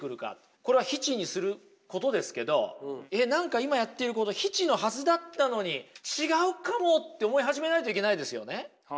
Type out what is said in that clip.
これは非−知にすることですけど何か今やっていること非−知のはずだったのに違うかもって思い始めないといけないですよね。